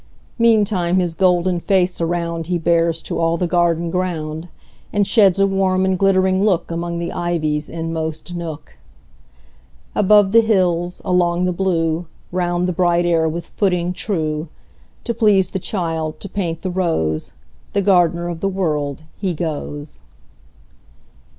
Meantime his golden face aroundHe bears to all the garden ground, And sheds a warm and glittering lookAmong the ivy's inmost nook. Above the hills, along the blue, Round the bright air with footing true, To please the child, to paint the rose, The gardener of the World, he goes.